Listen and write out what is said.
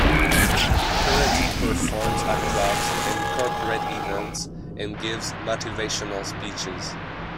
He currently performs at clubs and corporate events and gives motivational speeches.